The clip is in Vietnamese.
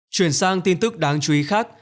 chuyển sang tin tức đáng chú ý khác